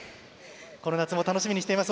この夏も楽しみにしています。